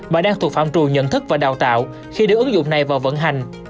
mà đang thuộc phạm trù nhận thức và đào tạo khi đưa ứng dụng này vào vận hành